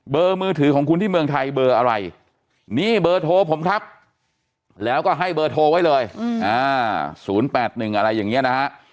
มือถือของคุณที่เมืองไทยเบอร์อะไรนี่เบอร์โทรผมครับแล้วก็ให้เบอร์โทรไว้เลย๐๘๑อะไรอย่างนี้นะฮะ